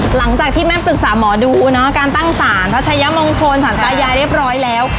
หลังจากที่แม่มปรึกษาหมอดูเนาะการตั้งสารพระชายมงคลสารตายายเรียบร้อยแล้ว